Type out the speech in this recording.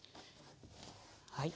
はい。